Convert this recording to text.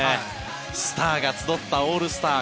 スターが集ったオールスター。